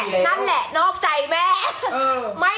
นั่นแหละนอกใจแม่